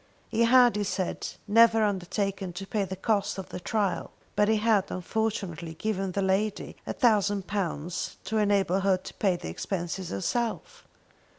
He had, he said, never undertaken to pay the cost of the trial, but he had, unfortunately, given the lady a thousand pounds to enable her to pay the expenses herself.